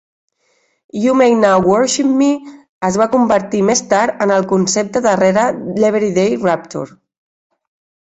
You May Now Worship Me es va convertir més tard en el concepte darrere d'Everyday Rapture.